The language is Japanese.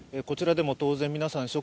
こちらでも当然、皆さん